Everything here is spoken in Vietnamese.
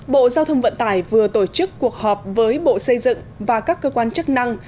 bộ giao thông vận tải vừa tổ chức cuộc họp với bộ xây dựng và các cơ quan chức năng